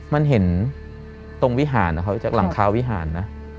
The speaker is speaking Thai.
มันเห็นตรงวิหารนะครับจากหลังคาวิหารนะ